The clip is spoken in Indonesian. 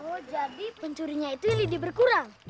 oh jadi pencurinya itu lidi berkurang